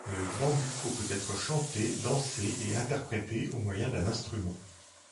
Le bambuco peut être chanté, dansé et interprété au moyen d'un instrument.